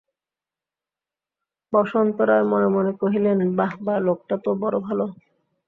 বসন্ত রায় মনে মনে কহিলেন, বাহবা, লোকটা তো বড়ো ভালো।